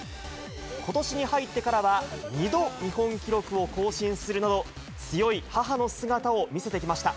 ことしに入ってからは、２度、日本記録を更新するなど、強い母の姿を見せてきました。